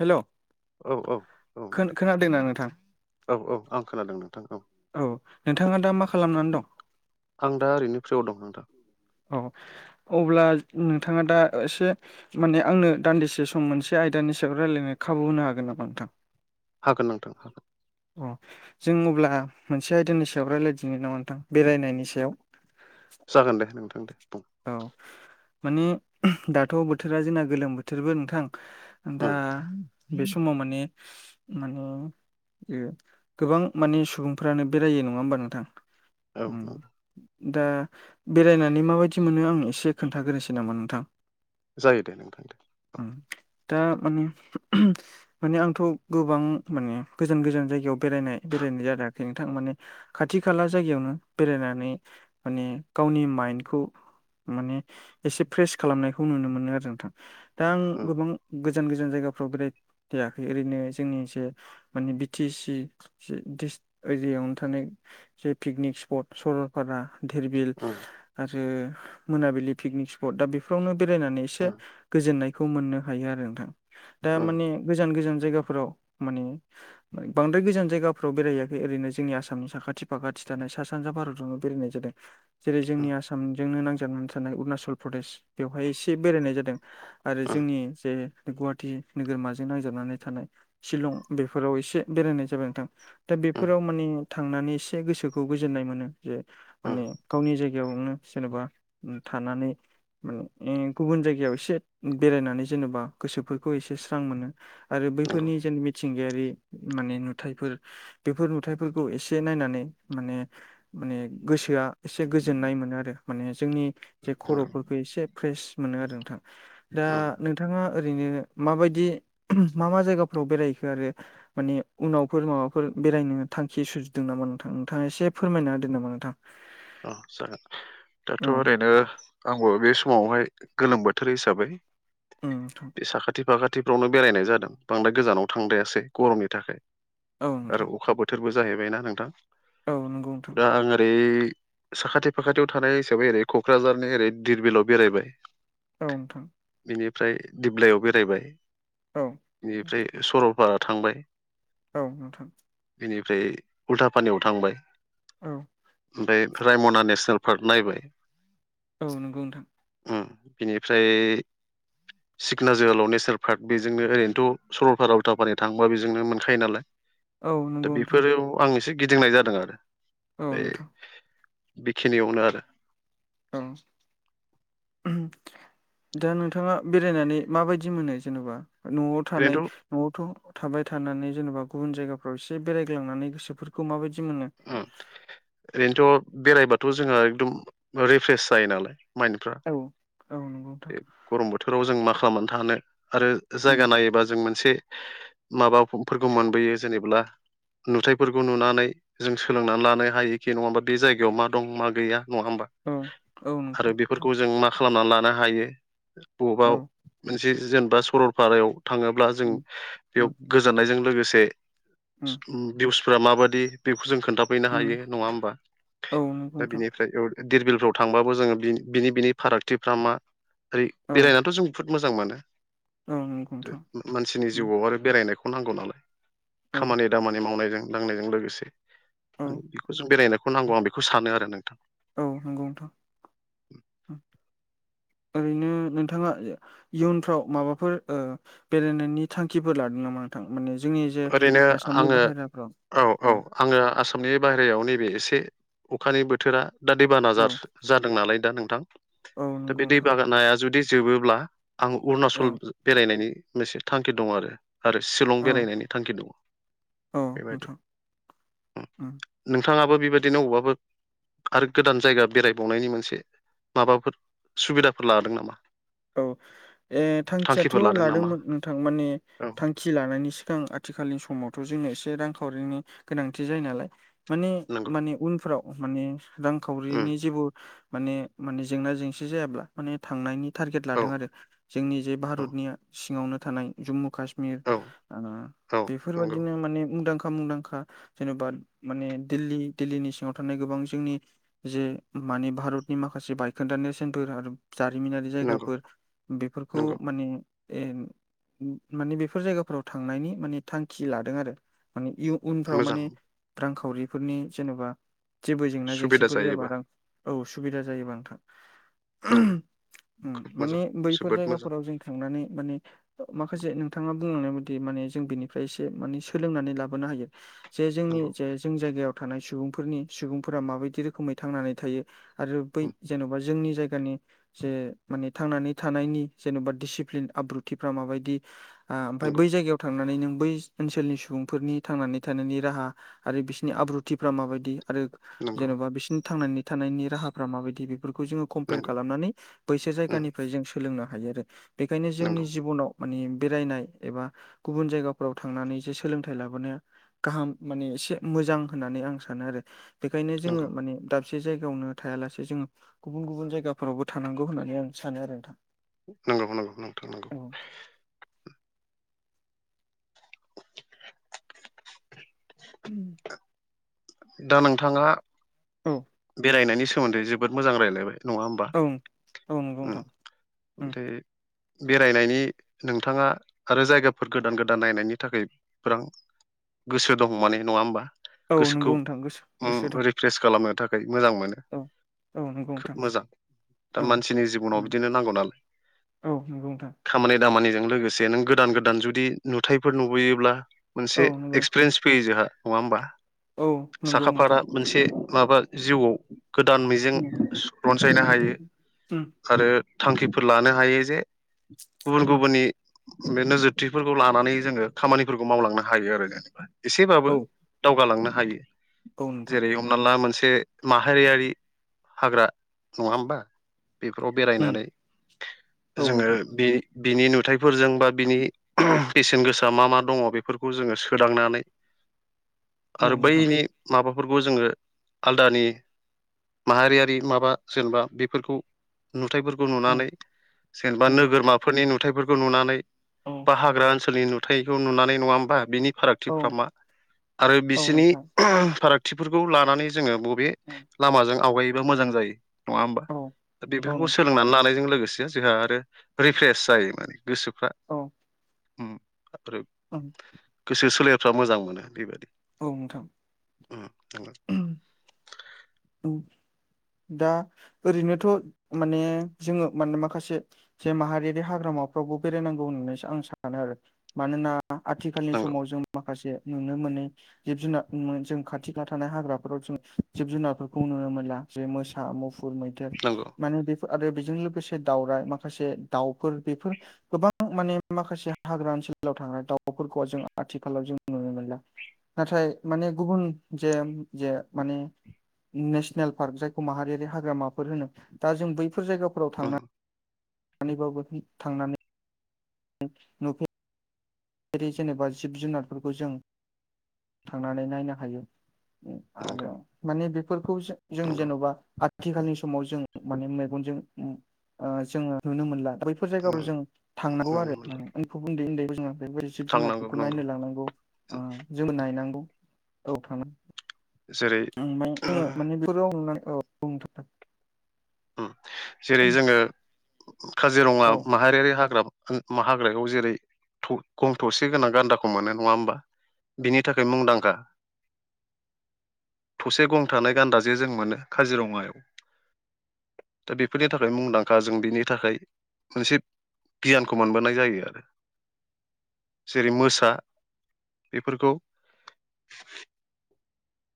हेल' औ औ औ नोंथां खोनादोंना नोंथां औ औ आं खोनादों नोंथां औ औ नोंथाङा दा मा खालामनानै दं आं दा ओरैनो फ्रिआव दं नोंथां औ अब्ला नोंथाङा दा एसे माने आंनो दान्दिसे सम मोनसे आयदानि सायाव रायलायनो खाबु होनो हागोन नामा नोंथां हागोन नोंथां हागोन अ जों अब्ला मोनसे आयदानि सायाव रायलायदिनो नामा नोंथां बेरायनायनि सायाव जागोन दे नोंथां दे बुं औ माने दाथ' बोथोरा जोंना गोलोम बोथोरबो नोंथां दा ओं बे समाव माने माने गोबां माने सुबुंफ्रानो बेरायो नङा होमबा नोंथां औ नंगौ दा बेरायनानै माबायदि एसे मोनो आं एसे खोन्थागोनोसै नामा नोंथां जायो दे नोंथां औ दा माने माने आंथ' गोबां माने गोजान गोजान जायगायाव बेरायनाय बेरायनाय जादोंखि नोंथां माने खाथि खाला जायगायावनो बेरायनानै माने गावनि माइन्डखौ माने एसे फ्रेस खालामनायखौ नुनो मोनो आरो नोंथां दा आं ओं गोबां गोजान गोजान जायगाफ्राव बेराय फेयाखै ओरैनो जोंनि एसे माने बि टि सि एरियायावनो थानाय जे पिकनिक स्पट सरलपारा धेरबिल ओं जे मोनाबिलि पिकनिक स्पट दा बेफोरावनो बेरायनानै एसे ओं गोजोननाय खौ मोननो हायो आरो नोंथां दा ओं माने गोजान गोजान जायगाफोराव माने बांद्राय गोजान जायगाफ्राव बेराहैयाखै ओरैनो जोंनि आसामनि साखाथि फाखाथि थानाय सा सानजा भारतावनो बेरायनाय जा जादों जेरै ओं जोंनि आसामजोंनो नांजानानै थानाय उरुणाचल प्रदेश बेवहाय एसे बेरायनाय जादों। आरो ओं जोंनि जे गुवाहाटि नोगोरमाजों नांजाबनानै थानाय शिलं बेफोराव एसे बेरायनाय जाबाय नोंथां। दा ओं बेफोराव माने थांनानै एसे गोसोखौ गोजोननाय मोनो जे ओं माने गावनि जायगायावनो जेनेबा थानानै माने गुबुन जायगायाव एसे बेरायनानै जेनेबा गोसोफोरखौ एसे स्रां मोनो। आरो नंगौ बैफोरनि जेन मिथिंगायारि माने नुथाइफोर बेफोर नुथायफोरखौ एसे नायनानै माने माने गोसोआ एसे गोजोननाय मोनो आरो। माने जोंनि जे नंगौ खर'फोरखौ एसे फ्रेस मोनो आरो नोंथां दा ओं नों थाङा ओरैनो माबायदि मा मा जायगाफ्राव बेरायखो आरो माने उनावफोर माबाफोर बेरायनो थांखि सुजुदों नामा नोंथां नोंथाङा एसे फोरमायना होदों नामा नोंथां? औ जागोन औ दाथ' ओरैनो आंबो बे समावहाय गोलोम बोथोर हिसाबै उम थां। बे साखाथि फाखाथिफ्रावनो बेरायनाय जादों बांद्राय गोजानाव थांद्रायासै गरमनि थाखाय। औ आरो नोंथां अखा बोथोरबो जाहैबाय ना नोंथां औ नंगौ नोंथां दा आं ओरै साखाथि फाखाथियाव थानाय हिसाबै ओरै क'क्राझारनि ओरै धिरबिलाव बेरायबाय। औ नोंथां। बिनिफ्राय दिप्लायाव बेरायबाय। औ बेनिफ्राय सरलपारा थांबाय। औ नोंथां। बेनिफ्राय उल्था पानियाव थांबाय। औ। ओमफ्राय रायमना नेसनेल पार्क नायबाय। औ नंगौ नोंथां। उम बिनिफ्राय उ [inaudible] सिखना जोहोलाव नेसनेल पार्क बेजोंनो ओरैनोथ' सरलपारा उल्थाफानि थाङोबा बेजोंनो मोनखायो नालाय। औ दा नंगौ नोंथां बेफोराव आं एसे गिदिंनाय जादों आरो। औ ओमफ्राय नोंथां। बेखिनियावनो आरो। औ [inaudible] दा नोंथाङा बेरायनानै माबायदि मोनो जेन'बा न'आव थानाय ओरैनोथ' न'आवथ' थाबाय थानानै जेनेबा गुबुन जायगाफ्राव एसे बेरायग्लांनानै गोसोफोरखौ माबायदि मोनो? उम ओरैनोथ' बेरायबाथ' जोंहा एकदम रिफ्र्रेस जायो नालाय माइनफ्रा औ औ नंगौ नोंथां बे गरम बोथोराव जों मा खालामनानै थानो आरो जायगा उम नायोबा जों मोनसे माबाफोरखौ मोनबोयो जेनेब्ला नुथायाइफोरखौ नुनानै जों सोलोंनानै लानो हायोखि नङा होमबा बे जायगायाव मा दं मा गैया नङा होमबा। औ औ नंगौ आरो नोंथां बेफोरखौ जों मा खालामनानै लानो हायो बबावबा औ मोनसे जेनेबा सरलपारायाव थाङोब्ला जों उम उम बेयाव गोजोननायजों लोगोसे उम भिउसफोरा माबादि बेखौ जों खोनथा फैनो हायो उम नङा होमबा औ नंगौ दा नोंथां बिनिफ्राय धिरबिलफ्राव थांबाबो जोङो बि बिनि बिनि फारागथिफ्रा मा ओरै औ बेरायनाथ' जों मोजां मोनो औ नंगौ नोंथां मानसिनि उम जिउआव आरो बेरायनायखौ नांगौ नालाय। औ खामानि दामानि मावनायजों दांनायजों लोगोसे औ म बेखौ जों बेरायनायखौ नांगौ आं बेखौ सानो आरो नोंथां। औ नंगौ नोंथां ओरैनो नोंथाङा इयुनफ्राव माबाफोर बेरायनायनि थांखिफोर लादों नामा? माने जोंनि जे ओरैनो आसामनि आङो बाहेराफ्राव औ। आङो आसामनि बाहेरायाव नैबे एसे अखानि बोथोरा दा दैबाना औ जासो जादों नालाय दा नोंथां औ दा नंगौ बे दै नोंथां बनाया जुदि जोबोब्ला आं औ अरुणाचल बेरायनायनि मोनसे थांखि दं आरो आरो शलं औ बेरायनायनि थांखि औ बेबायदि नोंथां उम नोंथाङाबो बेबायदिनो अबाबो आरो गोदान जायगा बेरायबावनायनि मोनसे माबाफोर सुबिदाफोर लादों नामा? औ ए थांखियाथ' थांखिफोर लादों नामा लादोंमोन नोंथां माने औ थांखि थि लानायनि सिगां आथिखालनि समावथ' जोङो एसे रांखावरिनि गोनांथि जायो नालाय माने नंगौ माने उनफोराव माने उम रांखावरिनि जेबो माने माने जेंना जेंसि जायाब्ला माने थांनायनि टारगेट औ लादों आरो जोंनि जे औ भारतनिया सिङावनो थानाय जम्मु काश्मी औ कमिर औ नंगौ बेफोरबादिनो माने मुंदांखा मुंदांखा जेन'बा माने दिल्ली दिल्लीनि सिङाव थानाय गोबां जोंनि जे मानि भारतनि माखासे बायखोन्दा नेेरसनफोर आरो जारिमिनारि नंगौ दाफोर बेफोरखौ नंगौ माने ए माने बेफोर जायगाफोराव थांनायनि माने थांखि लादों आरो माने इउ उनफ्राव मोजां माने रांखावरिफोरनि जेन'बा जेबो जेंना सुबिदा जेंसिफोर जाबा जायोबा रां औ सुबिदा जायोबा नोंथां। नंगौ खोब मोजां माने बैफोर जोबोद मोजां जायगाफोराव जों खांनानै माने माखासे नोंथाङा बुंलांनाय बायदि माने जों बिनिफ्राय एसे माने सोलोंनानै लाबोनो हायो। जे जोंनि नंगौ जे जों जायगायाव थानाय सुबुंफोरनि सुबुंफोरा माबायदि रोखोमै थांनानै थायो। आरो बै उम, जेन'बा जोंनि जायगानि जे माने थांनानै थानायनि जेन'बा दिडसिप्लिन आब्रुथिफ्रा माबायदि ओमफ्राय नंगौ बै जायगायाव थां नानै नों बै ओनसोलनि सुबुंफोरनि थांनानै थानायनि राहा आरो बिसोरनि आब्रुथिफ्रा माबायदि आरो नंगौ जेन'बा बिसिनि थांनानै थानायनि राहाफ्रा माबायदि बेफोरखौ जोङो कम्पेयार नंगौ खालामनानै बैसो उम, जायगानिफ्राय जों सोलोंनो हायो आरो बेखायनो जोंनि नंगौ जिबनाव माने बेरायनाय एबा गुबुन जायगाफोराव थांनानै जे सोलोंथाइ लाबोनाया गाहाम माने एसे मोजां होननानै आं सानो आरो बेखायनो जोङो नंगौ माने दाबसे जायगायावनो थायालासे जोङो गुबुन गुबुन जायगाफोरावबो थानांगौ होननानै नै आं सानो आरो नोंथां। नंगौ नंगौ नोंथां नंगौ। औ उम। दा नोंथाङा। औ बेरायनायनि सोमोन्दै जोबोद मोजां रायलायबाय नङा होमबा औ औ नंगौ नोंथां उम ओमफ्राय बेरायनायनि नोंथाङा आरो जायगाफोर गोदान गोदान नायनायनि थाखाय फोरां गोसो दं माने नङा होमबा? औ गोसोखौ नोंगौ नोंथां गोसो गोसो उम दं रिफ्रेस खालामनो थाखाय मोजां मोनो। औ औ नंगौ नोंथां खोब मोजां औ दा मानसिनि जिबनाव उम बिदिनो नांगौ नालाय। औ नंगौ नोंथां। खामानि दामानिजों लोगोसे नों गोदान गोदान जुदि नुथायफोर नुबोयोब्ला मोनसे औ नंगौ एक्सपिरियेन्स फैयो जोंहा नङा होमबा औ नंगौ साखाफारा नोंथां मोनसे माबा जिउआव गोदान मिजिं उम रनसायनो उम हायो। उम आरो थांखिफोर लानो हायो जे गुबुन उम गुबुननि बे नोजोरथिफोरखौ लानानै जोङो खामानिफोरखौ मावलांनो हायो आरो जेनेबा एसेबाबो औ दावगालांनो हायो औ नोंथां जेरै हमनाला मोनसे माहारियारि हाग्रा नङा होमबा बेफोराव उम बेरायनानै औ जोङो नोंथां बे बिनि नुथायफोरजों बा बिनि बेसेन गोसा मा मा दङ बेफोरखौ जोङो सोदांनानै [inaudible] आरो नोंथां बैनि माबाफोरखौ जोङो आलदानि माहारियारि माबा जेनेबा बेफोरखौ नुथायफोरखौ औ नुनानै जेनेबा उम नोगोरमाफोरनि नुथायफोरखौ नुनानै औ बा हाग्रा ओनसोलनि नुथायखौ नुनानै नङा होमबा बिनि औ फारागथिफ्रा मा आरो औ बिसोरनि नोंथां फारागथिफोरखौ लानानै जोङो बबे उम लामाजों आवगायोबा मोजां जायो नङा होमबा औ दा औ बेफोरखौ नोंथां सोलोंनानै लानायजों लोगोसे जोंहा आरो रिफ्रेस जायो माने गोसोफ्रा उम [unintelligible] ओं गोसो सोलेरफ्रा मोजां मोनो बेबायदि औ नोंथां [unintelligible] दा ओरैनोथ' माने जोङो माने माखासे जे माहारियारि हाग्रामाफ्रावबो बेरायनांगौ होननानैसो आं सानो आरो मानोना आथिखालनि समाव जों माखासे नुनो मोनो जिब जुनार जों खाथि खाला थानाय हाग्राफोराव जों जिब जुनार खौ नुनो मोनला जे मोसा मुफुर मैदेर नंगौ माने बे आरो बेजों लोगोसे दावराइ माखासे दाउफोर बेफोर गोबां माने माखासे हाग्रा ओनसोलाव थाग्रा दाउफोरखौ जों आथिखालाव जों नुनो मोनला नाथाय माने गुबुन जे जे माने नेशनेल पार्क जायखौ माहारियारि हाग्रामाफोर होनो दा जों बैफोर जायगाफोराव उम थांना थांनानैबो थांनानै [unintelligible] जेरै जेनेबा जिब जुनारफोरखौ जों थांनानै नायनो हायो [unintelligible] नंगौ आरो माने बेफोरखौ जों नंगौ जेन'बा आथिखालनि समाव जों माने मेगनजों जोङो नुनो मोनला बेफोर जायगायाव जों थांनांगौ नुनो आरो मोनला माने उमफ उन्दै उन्दैबायदि [unintelligible] जिब थांनांगौ जुनारफोरखौ नंगौ नायनो लांनांगौ जोङो नायनांगौ औ थां [unintelligible] जेरै ओफ्राय आङो माने बे औ बुंथ [unintelligible] जेरै जोङो काजिरङा औ माहारियारि हाग्रा हाग्रायाव जेरै गं थसे गोनां गान्दाखौ मोनो नङा होमबा बिनि थाखाय मुंदांखा थसे गं थानाय गान्दा जे जों मोनो काजिरङायाव दा बेफोरनि थाखाय मुंदांखा जों बिनि थाखाय मोनसे गियानखौ मोनबोनाय जायो आरो जेरै मोसा बेफोरखौ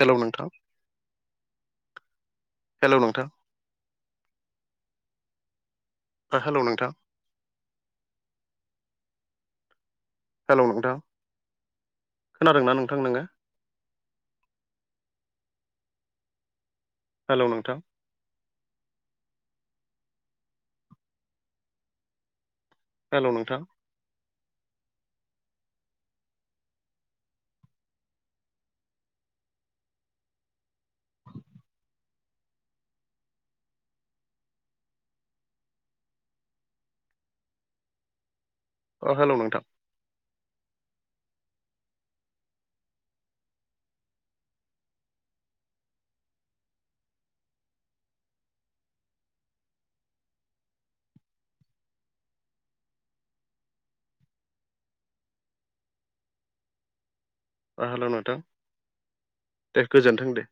हेलौ नोंथां हेलौ नोंथां हेल' नोंथां हेलौ नोंथां खोनादोंना नोंथां नोङो हेल' नोंथां हेल' नोंथां अ हेल' नोंथां ओ हेल' नोंथां दे गोजोनथों दे